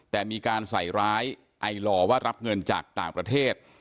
แต่มีการใส่ร้ายไอลอว่ารับเงินจากต่างประเทศ